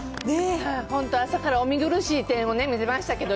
本当、朝からお見苦しい点を見せましたけど。